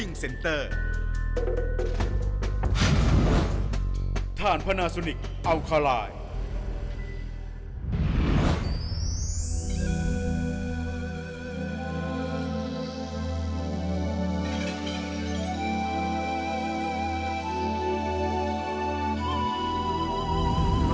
ซึ่งนี่ก็คือวัดสุทัศน์นะฮะต้องถามคุณพระดามหน่อยที่เรามาที่นี่ได้เพราะใครครับ